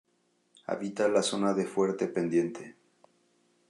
Habita las zonas de fuerte pendiente.